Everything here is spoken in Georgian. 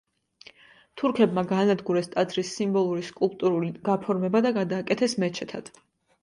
თურქებმა გაანადგურეს ტაძრის სიმბოლური სკულპტურული გაფორმება და გადააკეთეს მეჩეთად.